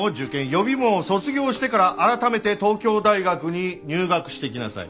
予備門を卒業してから改めて東京大学に入学してきなさい。